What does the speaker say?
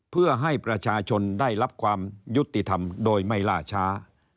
เพื่อให้ประชาชนได้รับความยุติธรรมโดยไม่ล่าช้า